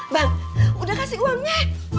bang udah kasih uangnya